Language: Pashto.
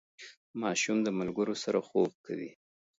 ماشوم د ملګرو سره خوب کوي.